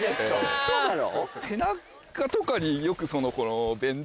・・ウソだろ・